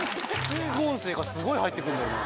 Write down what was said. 副音声がすごい入ってくるんだよな。